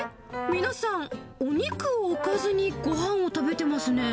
皆さん、お肉を置かずにごはんを食べてますね。